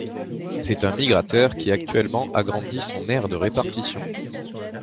C'est un migrateur qui actuellement agrandit son aire de répartition.